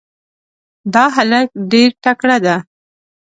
دا هلک ډېر تکړه ده.